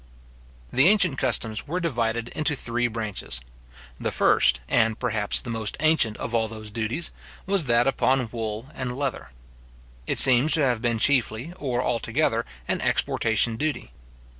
The ancient customs were divided into three branches. The first, and, perhaps, the most ancient of all those duties, was that upon wool and leather. It seems to have been chiefly or altogether an exportation duty.